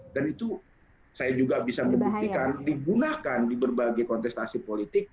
dan itu saya juga bisa membuktikan digunakan di berbagai kontestasi politik